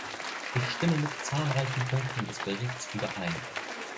Ich stimme mit zahlreichen Punkten des Berichts überein.